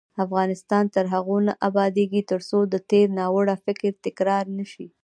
افغانستان تر هغو نه ابادیږي، ترڅو د تیر ناوړه فکر تکرار نشي.